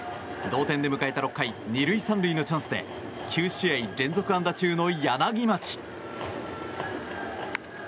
同点で迎えた６回２塁３塁のチャンスで９試合連続安打中の柳町。